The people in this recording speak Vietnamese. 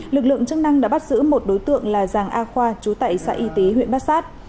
lực lượng chức năng đã bắt giữ một đối tượng là giàng a khoa chú tại xã y tý huyện bát sát